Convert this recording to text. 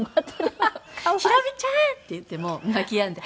「宏美ちゃん！」って言ってもう泣きやんで。